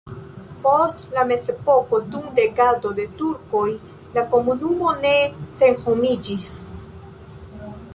Post la mezepoko dum regado de turkoj la komunumo ne senhomiĝis.